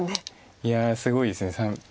いやすごいです。